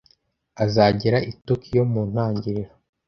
Azagera i Tokiyo mu ntangiriro